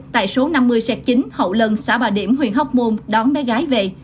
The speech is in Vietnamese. tại số năm mươi chín hậu lân xã bà điểm huyện hóc môn đón bé gái về